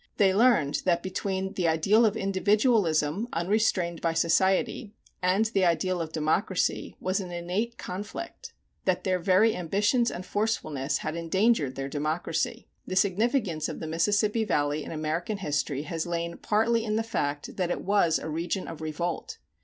They learned that between the ideal of individualism, unrestrained by society, and the ideal of democracy, was an innate conflict; that their very ambitions and forcefulness had endangered their democracy. The significance of the Mississippi Valley in American history has lain partly in the fact that it was a region of revolt.